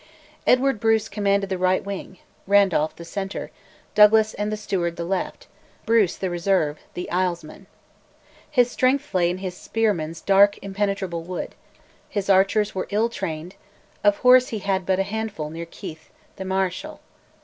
Edward Bruce commanded the right wing; Randolph the centre; Douglas and the Steward the left; Bruce the reserve, the Islesmen. His strength lay in his spearmen's "dark impenetrable wood"; his archers were ill trained; of horse he had but a handful under Keith, the Marischal.